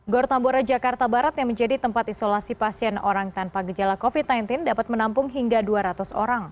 gor tambora jakarta barat yang menjadi tempat isolasi pasien orang tanpa gejala covid sembilan belas dapat menampung hingga dua ratus orang